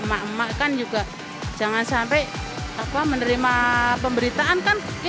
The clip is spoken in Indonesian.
lapor pak aku suka andika pratama sama andre taulani